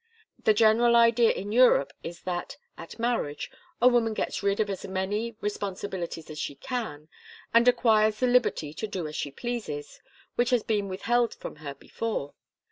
The general idea in Europe is that, at marriage, a woman gets rid of as many responsibilities as she can, and acquires the liberty to do as she pleases, which has been withheld from her before.